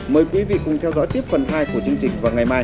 mời quý vị cùng theo dõi tiếp phần hai của chương trình vào ngày mai